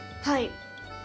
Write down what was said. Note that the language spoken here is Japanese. はい。